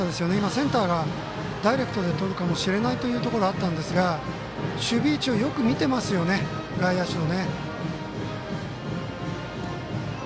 センターがダイレクトでとるかもしれないというところあったんですが守備位置をよく見てますね外野手の。